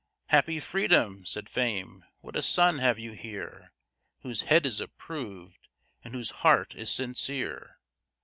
"Happy Freedom!" said Fame, "what a son have you here! Whose head is approved, and whose heart is sincere."